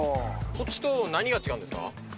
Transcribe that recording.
こっちと何が違うんですか？